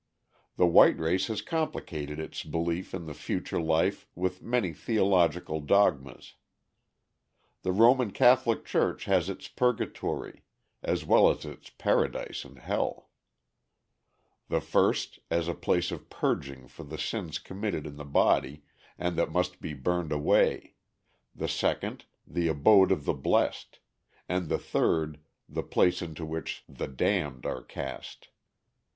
The white race has complicated its belief in the future life with many theological dogmas. The Roman Catholic church has its purgatory, as well as its paradise and hell; the first as a place of purging for the sins committed in the body and that must be burned away, the second the abode of the blest, and the third the place into which the damned are cast.